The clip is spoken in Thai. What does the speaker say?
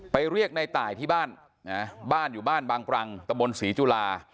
เรียกในตายที่บ้านนะบ้านอยู่บ้านบางปรังตะบนศรีจุฬา